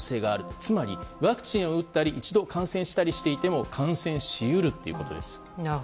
つまりワクチンを打ったり一度感染したりしていても感染し得るということです。